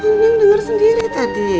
neng dengar sendiri tadi